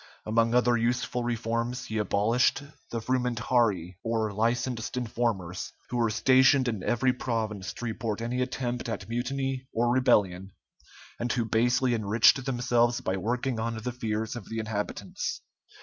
Among other useful reforms, he abolished the frumentarii, or licensed informers, who were stationed in every province to report any attempt at mutiny or rebellion, and who basely enriched themselves by working on the fears of the inhabitants.